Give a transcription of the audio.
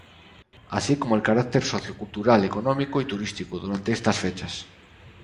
Así como el carácter sociocultural, económico y turístico, durante estas fechas.